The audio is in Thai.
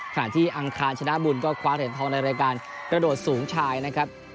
อังคารชนะบุญก็คว้าเหรียญทองในรายการกระโดดสูงชายนะครับ